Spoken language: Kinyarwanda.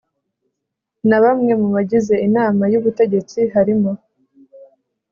Na bamwe mu bagize inama y ubutegetsi harimo